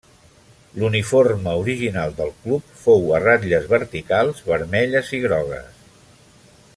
L'uniforme original del club fou a ratlles verticals vermelles i grogues.